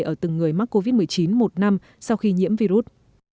ở từng người mắc covid một mươi chín một năm sau khi nhiễm virus